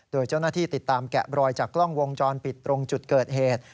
โดยเจ้าหน้าที่ติดตามแกะบรอยจากกล้องวงจรปิดตรงจุดเกิดเหตุ